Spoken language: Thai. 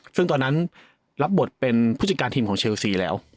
ซึ่งตอนนั้นรับบทเป็นผู้จัดการทีมของเชลซีแล้ว